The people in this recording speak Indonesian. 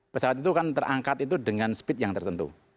pesawat itu kan terangkat itu dengan speed yang tertentu